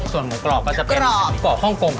ส่วนหมูกรอบก็จะเป็นหมูกรอบฮ่องกง